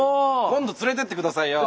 今度連れてってくださいよ。